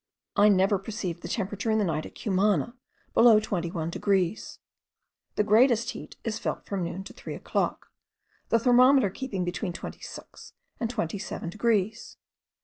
I never perceived the temperature in the night at Cumana below 21 degrees. The greatest heat is felt from noon to 3 o'clock, the thermometer keeping between 26 and 27 degrees.